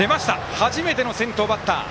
初めての先頭バッター。